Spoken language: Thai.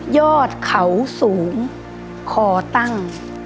ยอดเขาสูงคอตั้ง